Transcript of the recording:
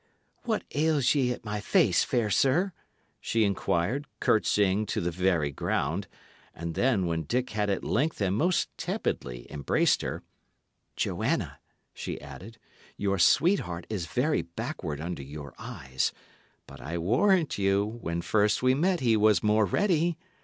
"What ails ye at my face, fair sir?" she inquired, curtseying to the very ground; and then, when Dick had at length and most tepidly embraced her, "Joanna," she added, "your sweetheart is very backward under your eyes; but I warrant you, when first we met he was more ready.